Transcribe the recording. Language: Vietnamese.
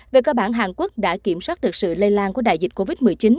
về cơ bản hàn quốc đã kiểm soát được sự lây lan của đại dịch covid một mươi chín